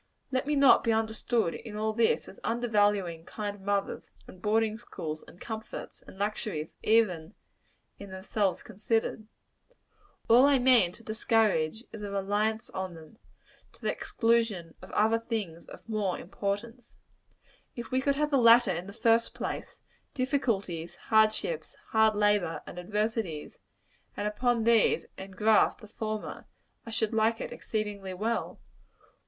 Let me not be understood, in all this, as undervaluing kind mothers, and boarding schools, and comforts and luxuries, even in themselves considered. All I mean to discourage, is, a reliance on them, to the exclusion of other things of more importance. If we could have the latter in the first place difficulties, hard ships, hard labor, and adversity and upon these engraft the former, I should like it exceedingly well.